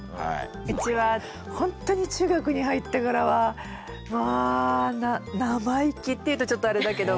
うちはほんとに中学に入ってからはまあ生意気っていうとちょっとあれだけども。